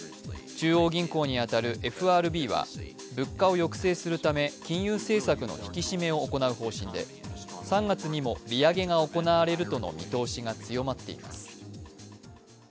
中央銀行に当たるＦＲＢは、物価を抑制するため金融政策の引き締めを行う方針で３月にも利上げが行われるとの見通しが強まっています。